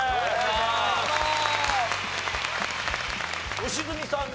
良純さんね